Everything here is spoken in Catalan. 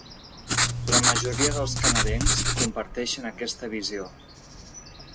La majoria dels canadencs comparteixen aquesta visió.